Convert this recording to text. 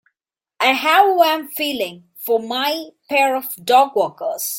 I have a warm feeling for my pair of dogwalkers.